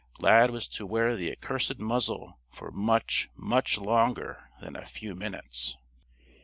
Lad was to wear the accursed muzzle for much, much longer than "a few minutes."